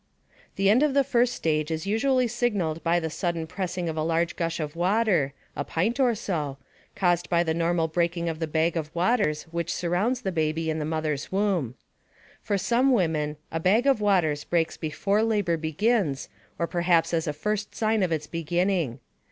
The end of this first stage is usually signaled by the sudden pressing of a large gush of water (a pint or so), caused by the normal breaking of the bag of waters which surrounds the baby in the mother's womb. For some women, the bag of waters breaks before labor begins or perhaps as the first sign of its beginning.